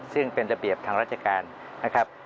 ซึ่งเป็นระเบียบทางราชการนะครับ